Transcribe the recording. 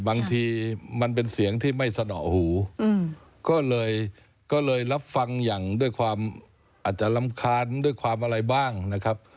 บางทีมันเป็นเสียงที่ไม่สนอหูก็เลยก็เลยรับฟังอย่างด้วยความอาจจะรำคาญด้วยความอะไรบ้างนะครับ